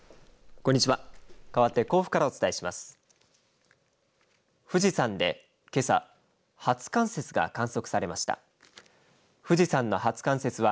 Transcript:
こんにちは。